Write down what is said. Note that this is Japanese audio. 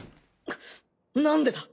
何でだ！